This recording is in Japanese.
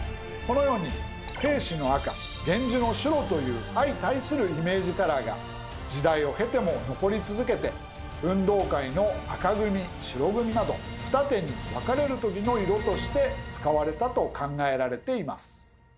このように平氏の赤源氏の白という相対するイメージカラーが時代を経ても残り続けて運動会の赤組・白組など二手にわかれるときの色として使われたと考えられています。